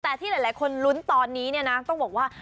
แต่ที่หลายคนลุ้นตอนนี้เนี่ยนะต้องบอกว่า